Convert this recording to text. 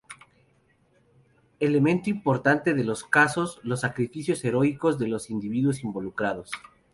Elemento importante de los casos, los sacrificios heroicos de los individuos involucrados.